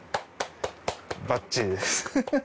バッチリです。